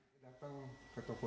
ormas yang meminta thr pada warga